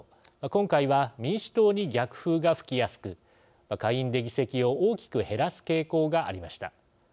今回は民主党に逆風が吹きやすく下院で議席を大きく減らす傾向がありました。